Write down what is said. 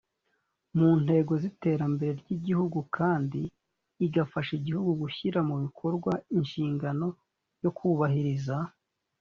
mu ntego z iterambere ry igihugu kandi igafasha igihugu gushyira mu bikorwa inshingano yo kubahiriza